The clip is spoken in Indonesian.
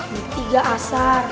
yang ketiga asar